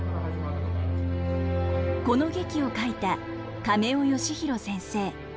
この劇を書いた亀尾佳宏先生。